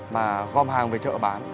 mà gom hàng về chợ bán